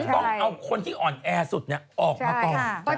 ต้องเอาคนที่อ่อนแอสุดออกมาก่อน